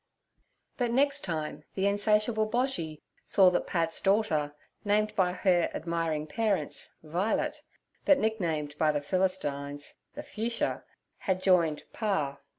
But next time the insatiable Boshy saw that Pat's daughter, named by her admiring parents 'Vi'let' but nicknamed by the Philistines 'The Fuchsia' had joined 'Pa.'